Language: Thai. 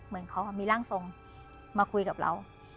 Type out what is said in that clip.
เหมือนเขามีร่างทรงมาคุยกับเรา